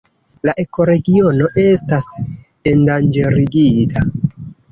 La ekoregiono estas endanĝerigita.